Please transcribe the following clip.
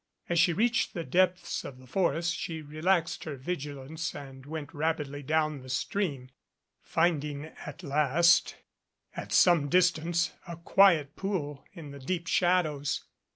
As she reached the depths, of the forest she relaxed her vigilance and went rapidly down the stream, finding at last at some distance a quiet pool in the deep shadows.